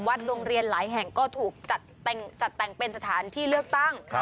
โรงเรียนหลายแห่งก็ถูกจัดแต่งเป็นสถานที่เลือกตั้ง